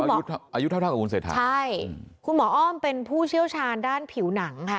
อายุเท่าเท่ากับคุณเศรษฐาใช่คุณหมออ้อมเป็นผู้เชี่ยวชาญด้านผิวหนังค่ะ